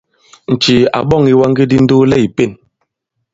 Ǹcìì à ɓɔ̂ŋ ìwaŋge di ndoolɛ ì pěn.